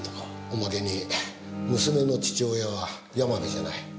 おまけに娘の父親は山辺じゃない。